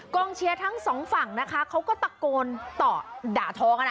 เชียร์ทั้งสองฝั่งนะคะเขาก็ตะโกนต่อด่าทอกัน